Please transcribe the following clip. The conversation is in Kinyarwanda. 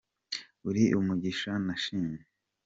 Uri umugisha nashimye